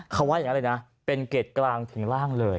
เขาว่าอย่างนั้นเลยนะเป็นเกรดกลางถึงร่างเลย